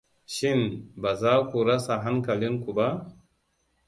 Shin ba za ku rasa hankalinku ba?